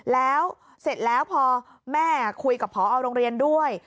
แล้วเสร็จแล้วพอแม่คุยกับพอโรงเรียนด้วย